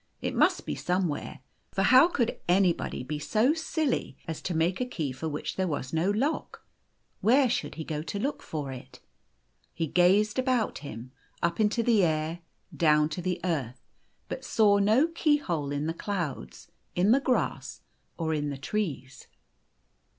It must be somewhere, for how could anybody be so silly as make a key for which there was no lock ? Where should he go to look for it ? O He gazed about him, up into the air, down to the earth, but saw no keyhole in the clouds, in the grass, or in the trees.